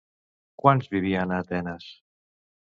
Quants vivien a Atenes?